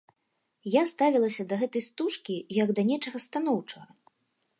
Я ставілася да гэтай стужкі, як да нечага станоўчага.